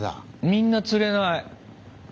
みんな釣れない。